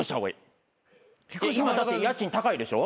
今だって家賃高いでしょ？